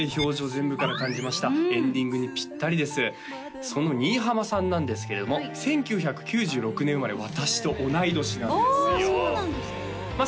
全部から感じましたエンディングにピッタリですその新浜さんなんですけれども１９９６年生まれ私と同い年なんですよああそうなんですかまあ